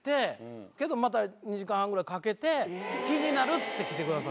だけどまた２時間半ぐらいかけて気になるっつって来てくださったんです。